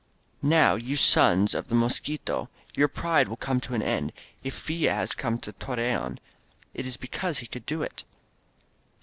Now you sons of the Mosquito, Your pride wUl come to an end. If Villa has come to Torreon, It is because he could do it!